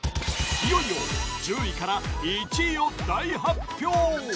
いよいよ１０位から１位を大発表！